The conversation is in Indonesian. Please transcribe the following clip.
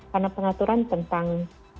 karena pengaturan tentang